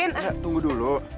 nggak tunggu dulu